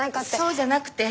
そうじゃなくて。